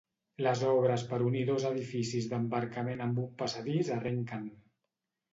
Les obres per unir dos edificis d'embarcament amb un passadís arrenquen.